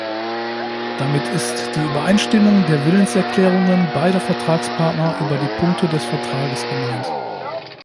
Damit ist die Übereinstimmung der Willenserklärungen beider Vertragspartner über die Punkte des Vertrages gemeint.